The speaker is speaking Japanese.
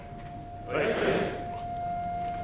はい。